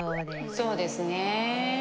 そうですね。